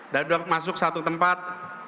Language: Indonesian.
datang masuk satu tempat